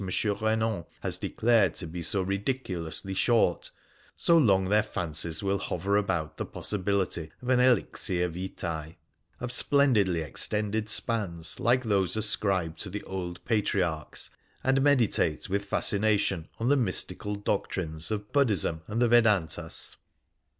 Eenan has declared to be so ridiculously short, so long their fancies will hover about the possibility of an elixir vita, of splendidly extended spans like those ascribed to the old patriarchs, and meditate with fascination the mystical doc trines of Buddhism, and the Vedantas.